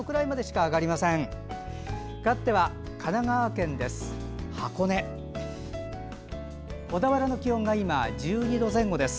かわっては神奈川県です。